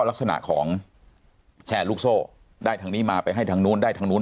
ลักษณะของแชร์ลูกโซ่ได้ทางนี้มาไปให้ทางนู้นได้ทางนู้น